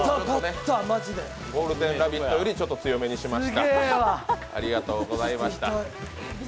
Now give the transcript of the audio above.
「ゴールデンラヴィット！」よりちょっと強めにしました。